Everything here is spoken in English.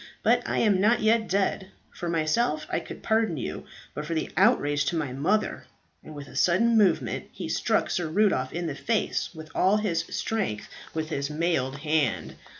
But I am not yet dead. For myself, I could pardon you; but for the outrage to my mother " and with a sudden movement he struck Sir Rudolph in the face with all his strength, with his mailed hand.